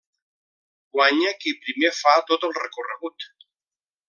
Guanya qui primer fa tot el recorregut.